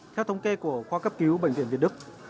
theo thống kê của khoa cấp cứu bệnh viện việt đức